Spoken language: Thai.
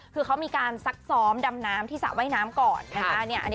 ที่เขามีการซักซ้อมดำน้ำที่ใส่ว่ายน้ำก่อน